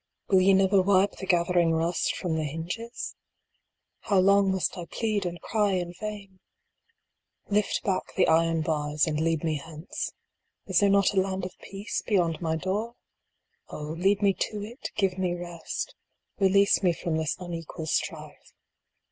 Will ye never wipe the gathering rust from the hinges ? How long must I plead and cry in vain ? Lift back the iron bars, and lead me hence. Is there not a land of peace beyond my door ? Oh, lead me to it give me rest release me from this unequal strife.